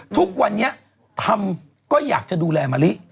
ทุกวันนี้ทำก็อยากจะดูแลมะลิ